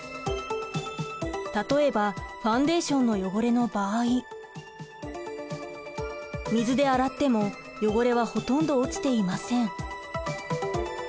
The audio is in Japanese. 例えばファンデーションの汚れの場合水で洗っても汚れはほとんど落ちていません。